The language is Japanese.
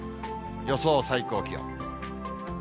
予想最高気温。